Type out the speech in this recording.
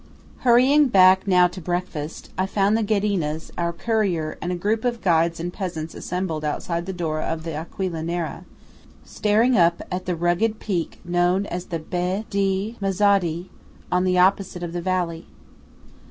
Hurrying back now to breakfast, I found the Ghedinas, our courier, and a group of guides and peasants assembled outside the door of the Aquila Nera, staring up at the rugged peak known as the Be di Mezzodi, on the opposite side of the valley.